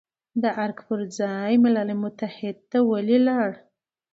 د ارګ پر ځای ملل متحد ته ولې لاړ،